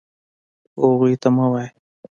خو هغوی ته مه وایه .